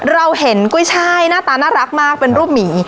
เราเห็นกุ้ยช่ายหน้าตาน่ารักมากเป็นรูปหมี